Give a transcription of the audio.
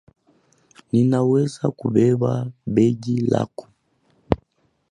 Ninaweza kubeba begi lako